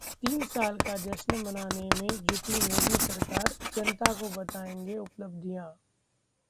तीन साल का जश्न मनाने में जुटी मोदी सरकार, जनता को बताएंगे उपलब्धियां